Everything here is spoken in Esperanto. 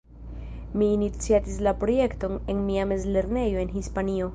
Mi iniciatis la projekton en mia mezlernejo en Hispanio.